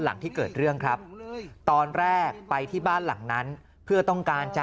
หลังที่เกิดเรื่องครับตอนแรกไปที่บ้านหลังนั้นเพื่อต้องการจะ